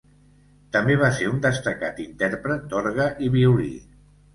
També va ser un destacat intèrpret d'orgue i violí.